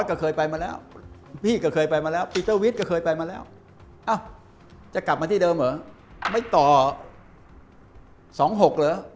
จะกลับมาที่เดิมเหรอไม่ต่อ๒๖เหรอ